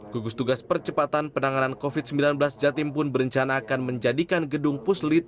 gugus tugas percepatan penanganan covid sembilan belas jatim pun berencana akan menjadikan gedung puslit